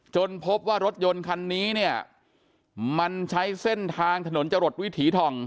พบว่ารถยนต์คันนี้เนี่ยมันใช้เส้นทางถนนจรดวิถีทอง